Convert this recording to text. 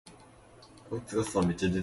大好きな人ができた